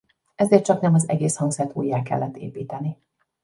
Ezért csaknem az egész hangszert újjá kellett építeni.